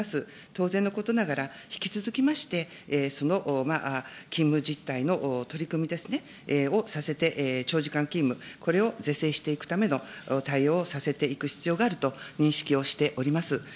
当然のことながら、引き続きまして、その勤務実態の取り組みですね、をさせて、長時間勤務、これを是正していくための対応をさせていく必要があると認識をしております。